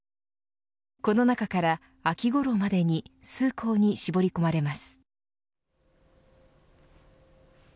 この中から秋ごろまでに数校に絞り込まれます。